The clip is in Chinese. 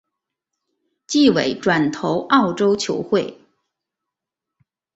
季尾转投澳洲球会。